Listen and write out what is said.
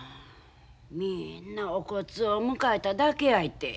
みんなお骨を迎えただけやいて。